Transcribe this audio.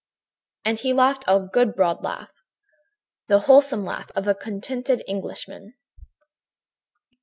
"And he laughed a good broad laugh, the wholesome laugh of a contented Englishman.